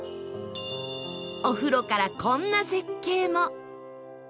お風呂からこんな絶景も